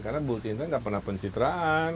karena bu cinta gak pernah pensitraan